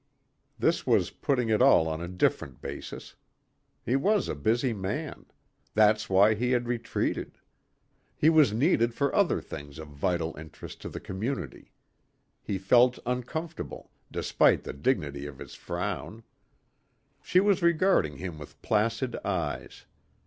This was putting it all on a different basis. He was a busy man. That's why he had retreated. He was needed for other things of vital interest to the community. He felt uncomfortable, despite the dignity of his frown. She was regarding him with placid eyes.